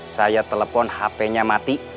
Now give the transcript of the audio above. saya telepon hpnya mati